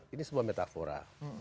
ini sebuah metafora